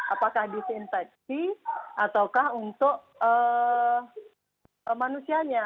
apakah disinfeksi ataukah untuk manusianya